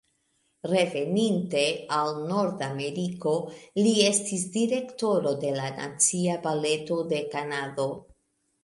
Reveninte al Nordameriko, li estis direktoro de la Nacia Baleto de Kanado.